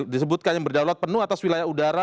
disebutkan yang berdaulat penuh atas wilayah udara